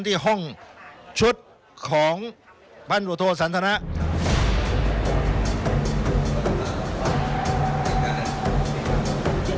ที่ห้องชุดของพันธุโทษสันทนะ